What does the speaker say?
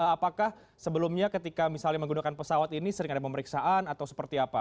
apakah sebelumnya ketika misalnya menggunakan pesawat ini sering ada pemeriksaan atau seperti apa